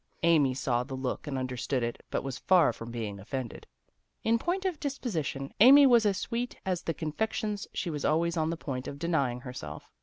Amy saw the look and un derstood it, but was far from being offended. In point of disposition, Amy was as sweet as the confections she was always on the point of denying herself.